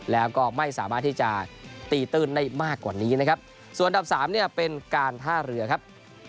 แล้วก็ไม่สามารถที่จะตีตื้นได้มากกว่านี้นะครับส่วนอันดับสามเนี่ยเป็นการท่าเรือครับ